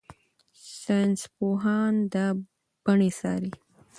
ساینسپوهان دا بڼې څاري.